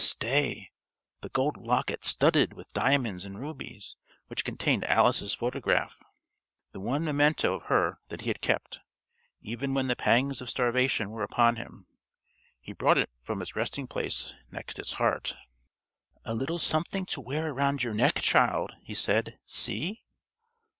Stay! The gold locket studded with diamonds and rubies, which contained Alice's photograph. The one memento of her that he had kept, even when the pangs of starvation were upon him. He brought it from its resting place next his heart. "A little something to wear round your neck, child," he said. "See!"